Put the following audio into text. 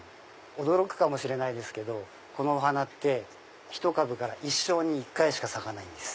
驚くかもしれないですけどこのお花ってひと株から一生に１回しか咲かないんです。